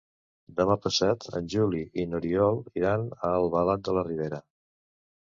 Demà passat en Juli i n'Oriol iran a Albalat de la Ribera.